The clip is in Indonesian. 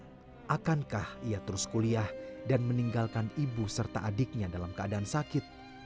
tapi akankah ia terus kuliah dan meninggalkan ibu serta adiknya dalam keadaan sakit